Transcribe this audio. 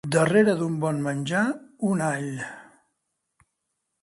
Darrere d'un bon menjar, un all.